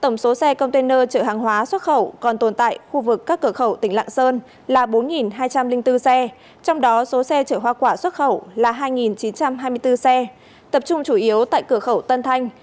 tổng số xe container chở hàng hóa xuất khẩu còn tồn tại khu vực các cửa khẩu tỉnh lạng sơn là bốn hai trăm linh bốn xe trong đó số xe chở hoa quả xuất khẩu là hai chín trăm hai mươi bốn xe tập trung chủ yếu tại cửa khẩu tân thanh